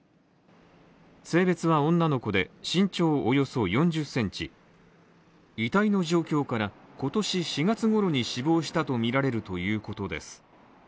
性別は女の子で、身長およそ４０ｃｍ遺体の状況から、今年４月ごろに死亡したとみられるということです。